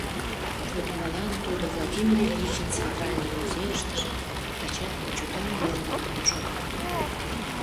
Вот молан тудо Владимир Ильичын Центральный музейыштыже тачат почётан верым налын шога.